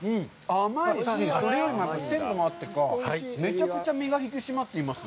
甘いし、鮮度があって、めちゃくちゃ身が引き締まっています。